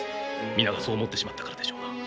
皆がそう思ってしまったからでしょうな。